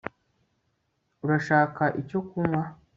urashaka icyo kunywa